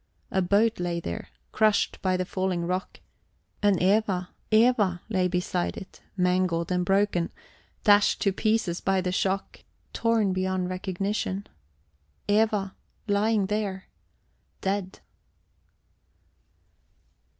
A boat lay there, crushed by the falling rock. And Eva Eva lay beside it, mangled and broken, dashed to pieces by the shock torn beyond recognition. Eva lying there, dead.